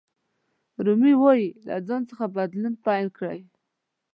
رومي وایي له ځان څخه بدلون پیل کړئ.